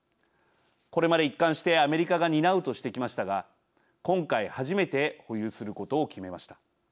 これまで一貫してアメリカが担うとしてきましたが今回初めて保有することを決めました。